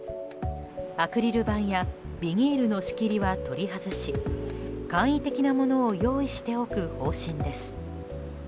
アクリル板やビニールの仕切りは取り外し簡易的なものを用意しておく方針です。